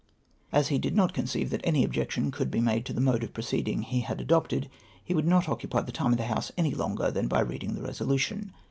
As he did not conceive tliat any objection could be made to the mode of proceeding he had adopted, he would not occupy the time of the House any longer than by reading the resolution.